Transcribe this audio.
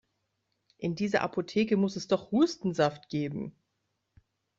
In dieser Apotheke muss es doch Hustensaft geben!